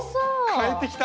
変えてきた。